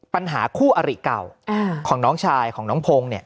ปัญหาคู่อริเก่าของน้องชายของน้องพงศ์เนี่ย